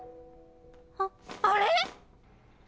あっあれ！？